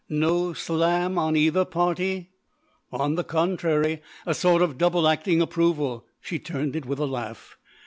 "No slam on either party?" "On the contrary, a sort of double acting approval," she turned it with a laugh.